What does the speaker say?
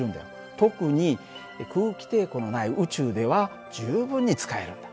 特に空気抵抗のない宇宙では十分に使えるんだ。